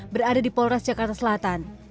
berada di polres jakarta selatan